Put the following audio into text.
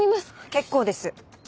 結構です。